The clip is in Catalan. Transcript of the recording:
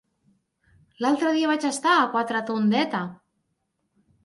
L'altre dia vaig estar a Quatretondeta.